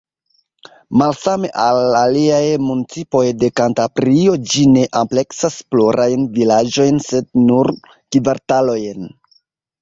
Malsame al aliaj municipoj de Kantabrio, ĝi ne ampleksas plurajn vilaĝojn sed nur kvartalojn.